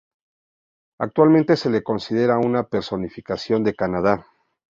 Actualmente se le considera una personificación de Canadá.